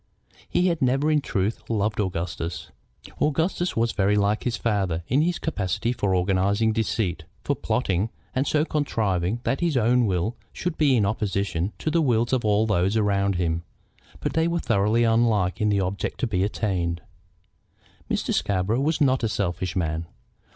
He had never, in truth, loved Augustus. Augustus was very like his father in his capacity for organizing deceit, for plotting, and so contriving that his own will should be in opposition to the wills of all those around him. But they were thoroughly unlike in the object to be attained. Mr. Scarborough was not a selfish man.